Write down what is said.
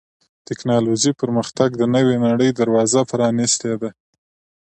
د ټکنالوجۍ پرمختګ د نوې نړۍ دروازه پرانستې ده.